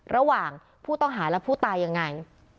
ระหว่างผู้ต้องหาและผู้ตายยังไง